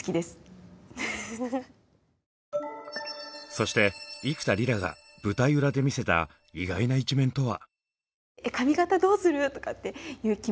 そして幾田りらが舞台裏で見せた意外な一面とは？